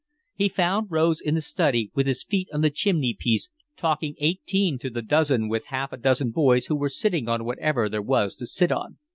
He found Rose in the study, with his feet on the chimney piece, talking eighteen to the dozen with half a dozen boys who were sitting on whatever there was to sit on.